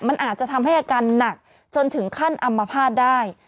มันอาจจะทำให้อาการหนักจนถึงขั้นอำมภาษณ์ได้